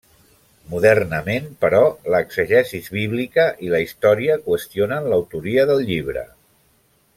Modernament, però, l'exegesi bíblica i la història qüestionen l'autoria del llibre.